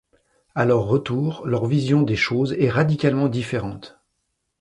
A leur retour, leur vision des choses est radicalement différente.